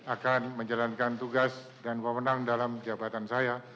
akan menjalankan tugas dan wawenang dalam jabatan saya